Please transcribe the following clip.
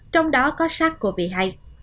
trong đó có sát covid hai